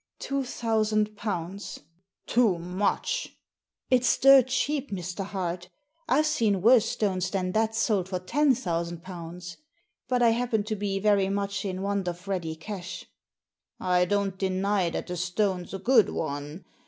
Two thousand pounds." "Too much 1" " It's dirt cheap, Mr. Hart I've seen worse stones than that sold for ten thousand pounds. But I happen to be very much in want of ready cash." " I don't deny that the stone's a good one.